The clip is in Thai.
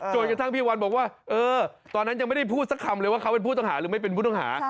จนกระทั่งพี่วันบอกว่าเออตอนนั้นยังไม่ได้พูดสักคำเลยว่าเขาเป็นผู้ต้องหาหรือไม่เป็นผู้ต้องหา